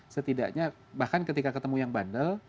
setidaknya bahkan ketika ketemu yang bandel